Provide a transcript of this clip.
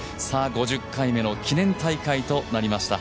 ５０回目の記念大会となりました。